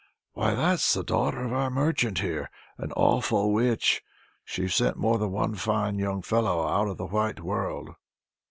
Why that's the daughter of our merchant here, an awful witch! She's sent more than one fine young fellow out of the white world."